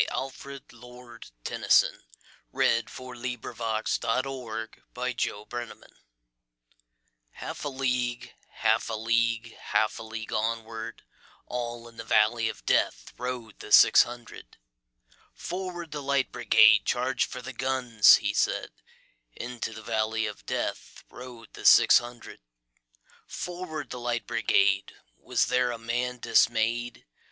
Alfred Tennyson, 1st Baron 1809–92 The Charge of the Light Brigade Tennyson HALF a league, half a league, Half a league onward, All in the valley of DeathRode the six hundred."Forward, the Light Brigade! Charge for the guns!" he said:Into the valley of DeathRode the six hundred."Forward, the Light Brigade!"Was there a man dismay'd?